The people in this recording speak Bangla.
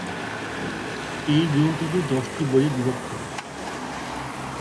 এই গ্রন্থটি দশটি বইয়ে বিভক্ত।